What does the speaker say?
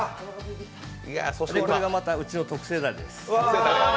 これがまたうちの特製だれです。